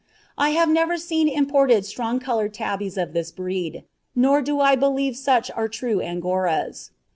I have never seen imported strong coloured tabbies of this breed, nor do I believe such are true Angoras.